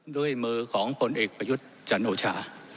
ด้วยมือของผลเอกพยุทธจันทร์โอชา